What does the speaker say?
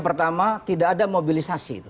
pertama tidak ada mobilisasi